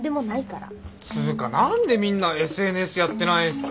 つうか何でみんなＳＮＳやってないんすか。